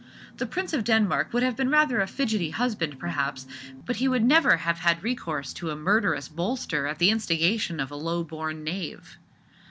The Prince of Denmark would have been rather a fidgety husband, perhaps, but he would never have had recourse to a murderous bolster at the instigation of a low born knave.